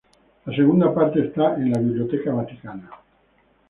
La segunda parte está en la Biblioteca Vaticana.